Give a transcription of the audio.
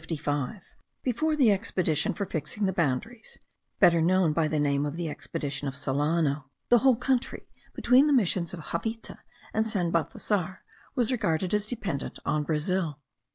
In 1755, before the expedition for fixing the boundaries, better known by the name of the expedition of Solano, the whole country between the missions of Javita and San Balthasar was regarded as dependent on Brazil.